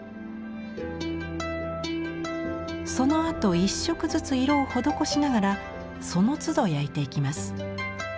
そのあと一色ずつ色を施しながらそのつど焼いていきます。